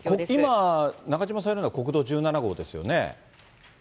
今、中島さんいるのは、国道１７号ですよね。